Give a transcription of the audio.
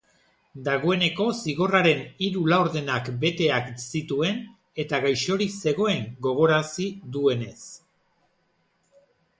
Dagoeneko zigorraren hiru laurdenak beteak zituen, eta gaixorik zegoen, gogorarazi duenez.